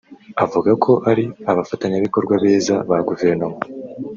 avuga ko ari abafatanyabikorwa beza ba Guverinoma